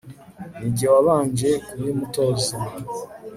Ni jye wabanje kubimutoza